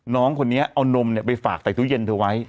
น้องคนนี้เอานมไปฝากใส่ตู้เย็นเธอไว้